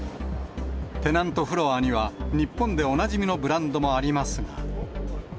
テナントフロアには、日本でおなじみのブランドもありますが。